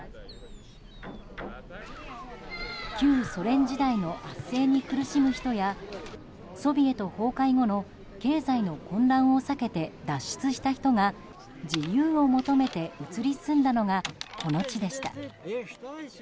旧ソ連時代の圧政に苦しむ人やソビエト崩壊後の経済の混乱を避けて脱出した人が自由を求めて移り住んだのがこの地でした。